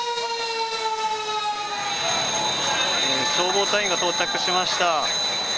消防隊員が到着しました。